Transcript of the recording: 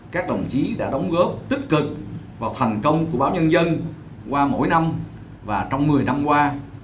các đồng chí đã đóng góp tích cực và thành công của báo nhân dân qua mỗi năm và trong một mươi năm qua